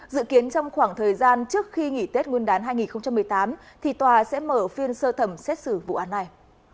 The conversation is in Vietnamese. dự kiến trong khoảng thời gian trước khi nghỉ tết nguyên đán hai nghìn một mươi tám thì tòa sẽ mở phiên sơ thẩm xét xử vụ án này